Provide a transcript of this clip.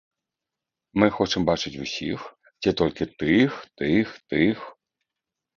Мы хочам бачыць усіх ці толькі тых, тых, тых.